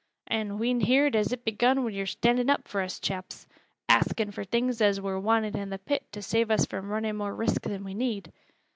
An' we'n heerd as it begun wi' yo're standin' up fur us chaps axin' fur things as wur wanted i' th' pit to save us fro' runnin' more risk than we need.